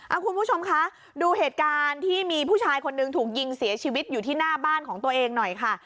คุณผู้ชมคะดูเหตุการณ์ที่มีผู้ชายคนหนึ่งถูกยิงเสียชีวิตอยู่ที่หน้าบ้านของตัวเองหน่อยค่ะ